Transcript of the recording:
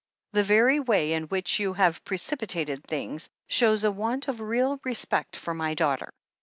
The very way in which you have precipitated things shows a want of real respect for my daughter."